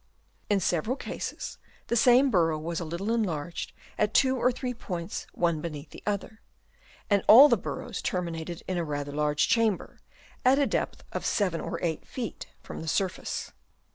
In several cases the same burrow was a little enlarged at two or three points one beneath the other ; and all the burrows ter minated in a rather large chamber, at a depth of 7 or 8 feet from the surface.